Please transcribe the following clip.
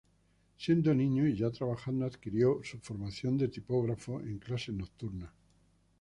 Siendo niño y ya trabajando, adquirió su formación de tipógrafo en clases nocturnas.